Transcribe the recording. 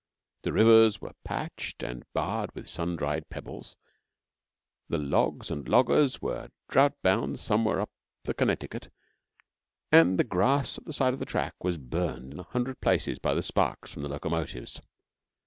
The rivers were patched and barred with sun dried pebbles; the logs and loggers were drought bound somewhere up the Connecticut; and the grass at the side of the track was burned in a hundred places by the sparks from locomotives.